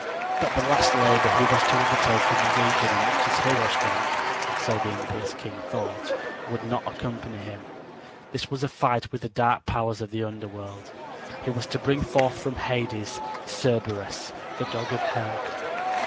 But the last labor he was to undertake in the region in which his hero strength so the impious king hoped would not accompany him. This was a fight with the dark powers of the underworld. He was to bring forth from Hades Cerberus, the dog of Hell.